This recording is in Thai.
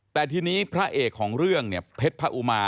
แต่ทีนี้พระเอกของเรื่องเนี่ยเพชรพระอุมา